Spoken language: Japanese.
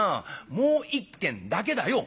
もう一軒だけだよ」。